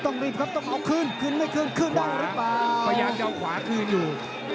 ต้องหยิบครับต้องเอาขึ้นขึ้นหรือเปล่าเนี้ยขวาขึ้นอยู่